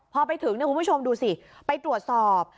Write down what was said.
พอไปถึงคุณผู้ชมดูสิไปตรวจสอบ